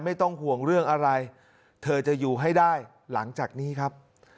ไม่ต้องห่วงเรื่องอะไรเธอจะอยู่ให้ได้หลังจากนี้ครับ